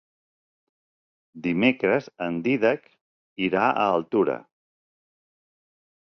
Dimecres en Dídac irà a Altura.